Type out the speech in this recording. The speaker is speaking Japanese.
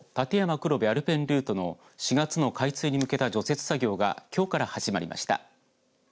黒部アルペンルートの４月の開通に向けた除雪作業がきょうから始まりました。